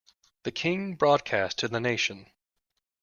The King broadcast to the nation.